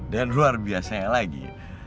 dan luar biasanya lagi